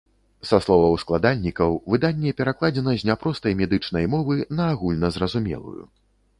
Са словаў складальнікаў, выданне перакладзена з няпростай медычнай мовы на агульназразумелую.